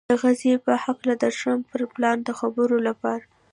د غزې په هکله د ټرمپ پر پلان د خبرو لپاره